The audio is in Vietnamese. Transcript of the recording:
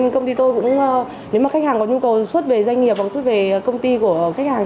công ty tôi cũng nếu mà khách hàng có nhu cầu xuất về doanh nghiệp và xuất về công ty của khách hàng